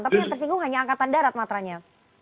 tapi yang tersinggung hanya angkatan darat matranya